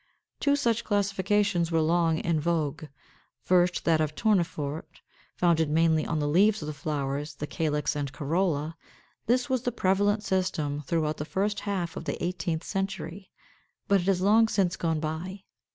Two such classifications were long in vogue: First, that of Tournefort, founded mainly on the leaves of the flower, the calyx and corolla: this was the prevalent system throughout the first half of the eighteenth century; but it has long since gone by.